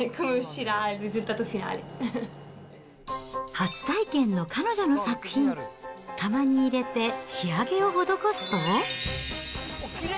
初体験の彼女の作品、窯に入れて仕上げを施すと。